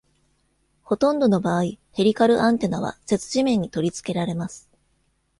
ほとんどの場合、ヘリカルアンテナは接地面に取り付けられます。